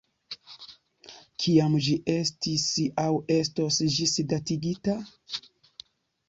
Kiam ĝi estis aŭ estos ĝisdatigita?